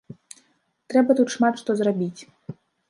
Трэба тут шмат што зрабіць.